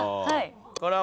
はい。